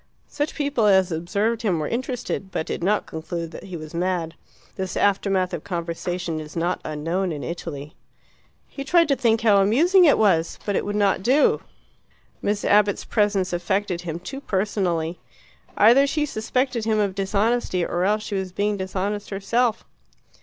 Such people as observed him were interested, but did not conclude that he was mad. This aftermath of conversation is not unknown in Italy. He tried to think how amusing it was; but it would not do Miss Abbott's presence affected him too personally. Either she suspected him of dishonesty, or else she was being dishonest herself.